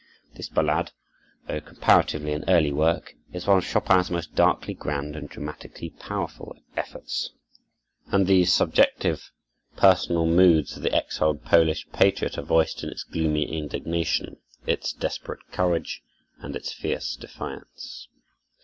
This ballade, though comparatively an early work, is one of Chopin's most darkly grand and dramatically powerful efforts; and the subjective personal moods of the exiled Polish patriot are voiced in its gloomy indignation, its desperate courage, and its fierce defiance.